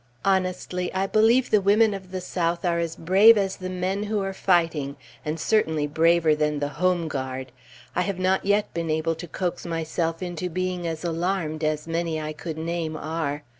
Honestly, I believe the women of the South are as brave as the men who are fighting, and certainly braver than the "Home Guard." I have not yet been able to coax myself into being as alarmed as many I could name are.